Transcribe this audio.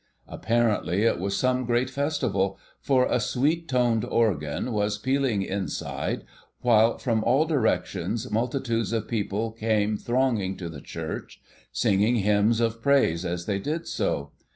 Apparently it was some great Festival, for a sweet toned organ was pealing inside, while from all directions multitudes of people came thronging to the church, singing hymns of praise as they did so.